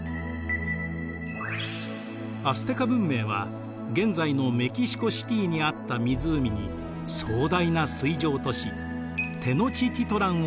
アステカ文明は現在のメキシコシティーにあった湖に壮大な水上都市テノチティトランを建設していました。